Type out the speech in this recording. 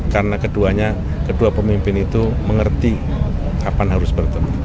karena keduanya kedua pemimpin itu mengerti kapan harus bertemu